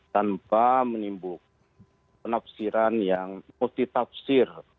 tanpa menimbul penafsiran yang musti tafsir